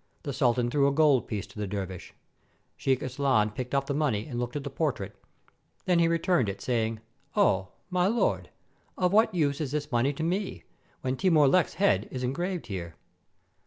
" The sultan threw a golden piece to the dervish. Sheik Irzlan picked up the money and looked at the portrait. Then he returned it, saying, "Oh! my Lord, of what use is this money to me, when Timur Lenk's head is en graved here?"